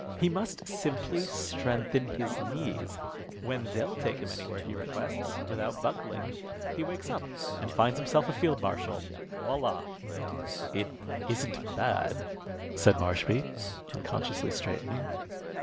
He must simply strengthen his knees. When they'll take him anywhere he requests, without buckling, he wakes up and finds himself a field marshal. Voilà!" "It isn't bad," said Marshby, unconsciously straightening.